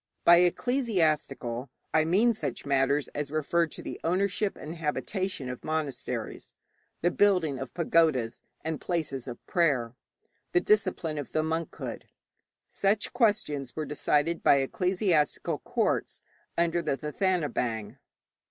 By 'ecclesiastical' I mean such matters as referred to the ownership and habitation of monasteries, the building of pagodas and places of prayer, the discipline of the monkhood. Such questions were decided by ecclesiastical courts under the Thathanabaing.